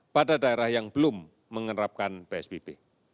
pada daerah yang belum menerapkan psbb